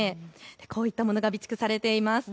こういったものが備蓄されています。